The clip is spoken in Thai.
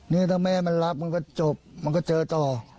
นี่ถ้าแม่มันรับมันก็จบมันก็เจอต่อ